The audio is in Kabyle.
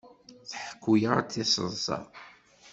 Tḥekku-aɣ-d tiseḍsa.